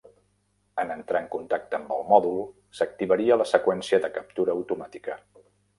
En entrar en contacte amb el mòdul, s'activaria la seqüència de captura automàtica.